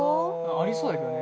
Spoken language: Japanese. ありそうだけどね